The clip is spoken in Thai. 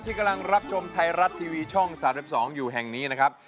กำลังรับชมไทยรัฐทีวีช่อง๓๒อยู่แห่งนี้นะครับ